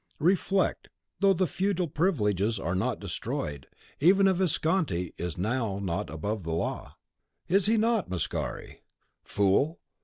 Reflect; though the feudal privileges are not destroyed, even a Visconti is not now above the law." "Is he not, Mascari? Fool!